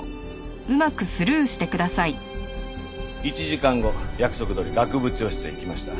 １時間後約束どおり学部長室へ行きました。